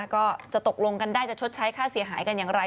ก็จะตกลงกันได้จะชดใช้ค่าเสียหายกันอย่างไร